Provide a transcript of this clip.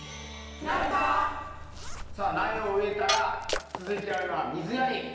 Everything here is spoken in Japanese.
さあ苗を植えたら続いてやるのは水やり。